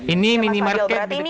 ini minimarket di dekat kampus kami